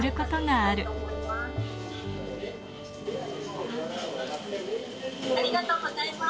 ありがとうございます。